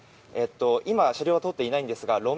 今、車両は通っていないんですが路面